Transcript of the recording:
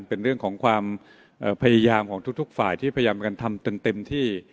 เป็นเรื่องของความพยายามของทุกฝ่ายที่พยายามกันทำเต็มที่